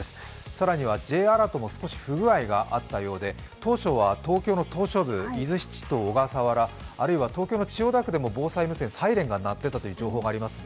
更にはＪアラートも少し不具合があったようで、当初は東京の島しょ部、伊豆７島、小笠原小笠原、あるいは東京の千代田区でも防災無線、サイレンが鳴っていたという情報があります。